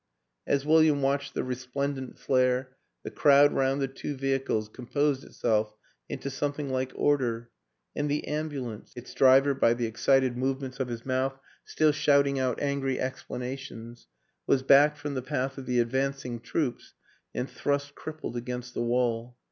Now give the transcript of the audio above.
As William watched the resplendent flare the crowd round the two vehicles composed itself into something like order, and the ambulance its driver, by the excited movements of his mouth, still shouting out angry explanations was backed from the path of the advancing troops and thrust crippled against the wall.